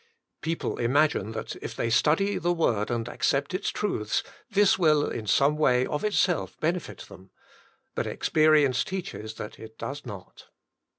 People imagine that if they study the Word and accept its truths, this will in some way, of itself, benefit them. But experi ence teaches that it does not.